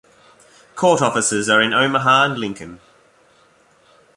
Court offices are in Omaha and Lincoln.